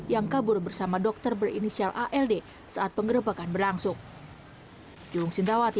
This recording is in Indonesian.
yang kabur bersama dokter berinisial ald saat pengerebekan berlangsung